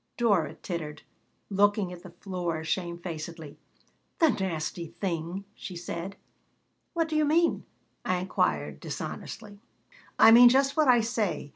Dora tittered, looking at the floor shamefacedly. "The nasty thing!" she said "What do you mean?" I inquired, dishonestly "I mean just what I say.